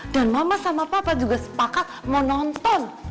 dan mama sama papa juga sepakat mau nonton